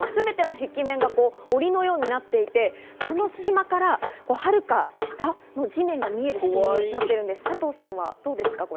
全ての壁面が檻のようになっていて、この隙間からはるか下の地面が見える仕組みになっているんです、どうですか？